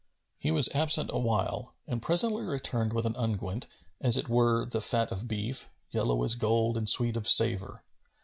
He was absent awhile, and presently returned with an unguent as it were the fat of beef, yellow as gold and sweet of savour.